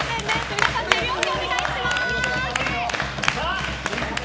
皆さん、手拍子お願いします。